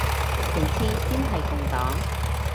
其次先係共黨